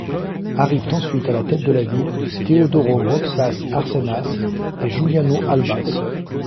Arrivent ensuite à la tête de la ville Teodoro Roxas Arcenas et Juliano Alba.